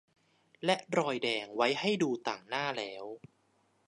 และรอยแดงไว้ให้ดูต่างหน้าแล้ว